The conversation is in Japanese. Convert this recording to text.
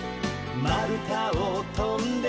「まるたをとんで」